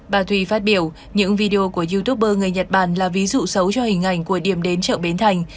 bà thùy phát biểu những video của youtuber người nhật bản là ví dụ xấu cho hình ảnh của điểm đến chợ bến thành